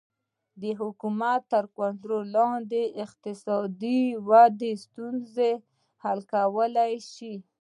د حکومت تر کنټرول لاندې اقتصادي وده ستونزې هوارې کولی شي